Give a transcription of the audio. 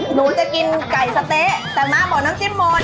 หนูจะกินไก่สะเต๊ะแต่ม้าบอกน้ำจิ้มมอน